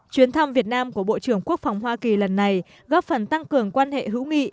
chuyến thăm việt nam của bộ trưởng quốc phòng hoa kỳ lần này góp phần tăng cường quan hệ hữu nghị